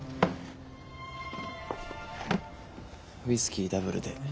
ウイスキーダブルで。